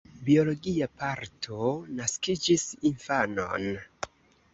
Biologia patro naskigis infanon.